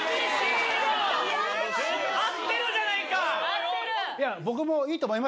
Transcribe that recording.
合ってるじゃないか！